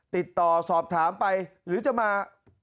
ติดต่อสอบถามไปหรือจะมา